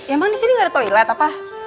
emang disini gak ada toilet apa